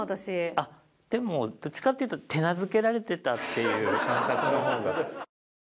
あっでもどっちかっていうと手なずけられてたっていう感覚の方が。